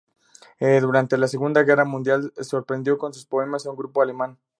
Durante la Segunda Guerra Mundial, sorprendió con sus poemas a un grupo alemán.